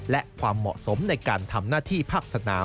และความเหมาะสมในการทำหน้าที่ภาคสนาม